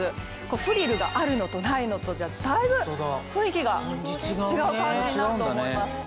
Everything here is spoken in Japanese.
フリルがあるのとないのとじゃだいぶ雰囲気が違う感じになると思います。